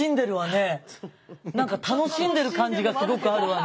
なんか楽しんでる感じがすごくあるわね。